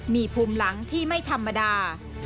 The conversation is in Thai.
มีภูมิหลังที่ไม่ธรรมดา